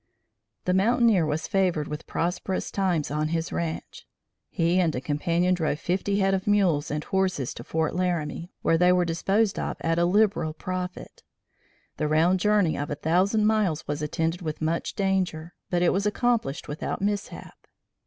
The mountaineer was favored with prosperous times on his ranche. He and a companion drove fifty head of mules and horses to Fort Laramie, where they were disposed of at a liberal profit. The round journey of a thousand miles was attended with much danger, but it was accomplished without mishap.